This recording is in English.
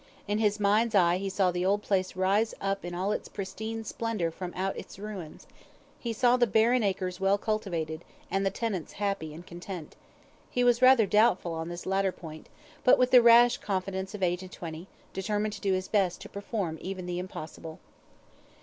In his mind's eye he saw the old place rise up in all its pristine splendour from out its ruins; he saw the barren acres well cultivated, and the tenants happy and content he was rather doubtful on this latter point, but, with the rash confidence of eight and twenty, determined to do his best to perform even the impossible.